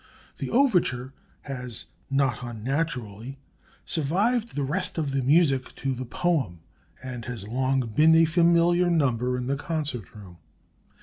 The overture has, not unnaturally, survived the rest of the music to the poem, and has long been a familiar number in the concert room.